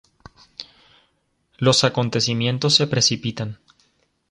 Los acontecimientos se precipitan.